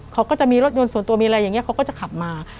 เขาก็จะมีรถยนต์ส่วนตัวมีอะไรอย่างนี้เขาก็จะขับมา